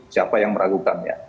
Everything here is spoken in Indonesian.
siapa yang meragukannya